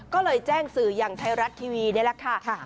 ก็เลยแจ้งสื่ออย่างไทยรัฐทีวีนี่แหละค่ะ